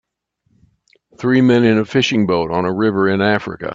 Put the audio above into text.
Three men in a fishing boat on a river in Africa.